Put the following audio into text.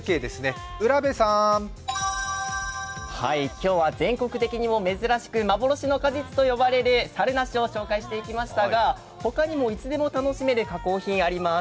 今日は全国的にも珍しく幻の果実と呼ばれるさるなしを紹介していきましたが他にも、いつでも楽しめる加工品、あります。